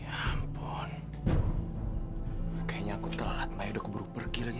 ya ampun kayaknya aku telat maya keburu pergi lagi